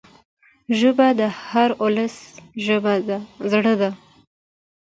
ژبه د هر ولس زړه ده